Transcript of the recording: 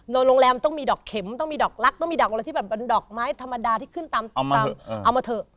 โรงแรมต้องมีดอกเข็มต้องมีดอกลักษณ์ต้องมีดอกอะไรที่แบบเป็นดอกไม้ธรรมดาที่ขึ้นตามเอามาเถอะ